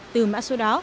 từ mã số đó